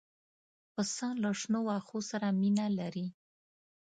پسه له شنو واښو سره مینه لري.